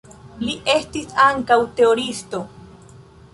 Li estis ankaŭ teoriisto.